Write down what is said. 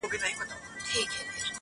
د لاسونو په پياله کې اوښکي راوړې_